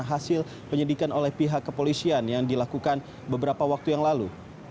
hasil penyidikan oleh pihak kepolisian yang dilakukan beberapa waktu yang lalu